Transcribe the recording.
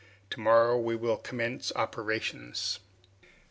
To morrow we will commence operations."